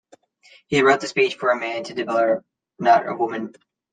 He wrote the speech for a man to deliver, not a woman.